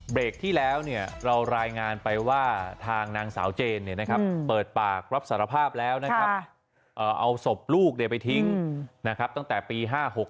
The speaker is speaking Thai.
ที่แล้วเรารายงานไปว่าทางนางสาวเจนเปิดปากรับสารภาพแล้วนะครับเอาศพลูกไปทิ้งนะครับตั้งแต่ปี๕๖